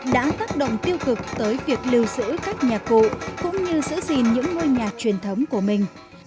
đã tác động tiêu cực tới việc lưu giữ các nhà cụ cũng như giữ gìn những ngôi nhà truyền thống của mình